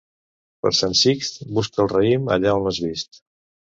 Per Sant Sixt busca el raïm allà on l'has vist.